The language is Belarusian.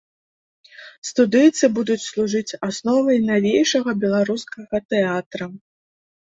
Студыйцы будуць служыць асновай навейшага беларускага тэатра.